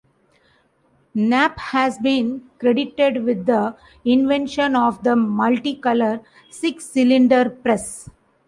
Knapp has been credited with the invention of the multicolor six-cylinder press.